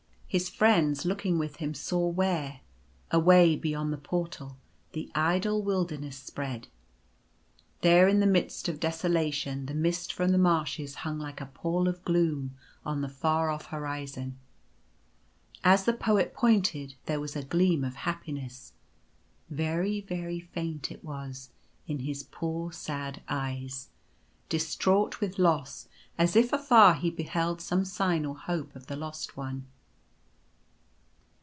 His friends looking with him saw, where, away beyond the Portal, the idle wilderness spread. There in the midst of desolation the mist from the marshes hung like a pall of gloom on the far off horizon. As the Poet pointed there was a gleam of happiness — very very faint it was — in his poor sad eyes, distraught with loss, as if afar he beheld some sign or hope of the Lost One.